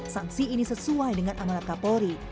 saksi ini sesuai dengan amalatka polri